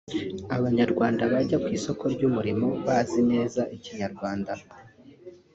Abanyarwanda bajya ku isoko ry’umurimo bazi neza Ikinyarwanda